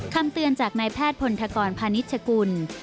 คำเตือนจากนายแพทย์พลธกรพาณิชกุล